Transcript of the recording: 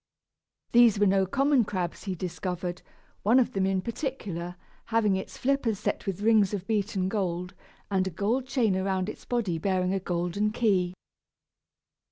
These were no common crabs he discovered, one of them in particular, having its flippers set with rings of beaten gold, and a gold chain around its body bearing a golden key.